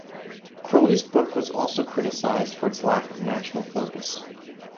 Croly's book was also criticized for its lack of national focus.